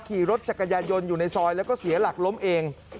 ขี่รถจักรยานยนต์อยู่ในซอยแล้วก็เสียหลักล้มเอง